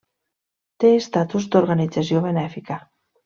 Té estatus d'organització benèfica.